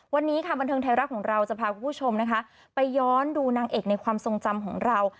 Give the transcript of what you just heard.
วันนี้ค่ะบันเทิงไทยรัฐของเราจะพาคุณผู้ชมนะคะไปย้อนดูนางเอกในความทรงจำของเรา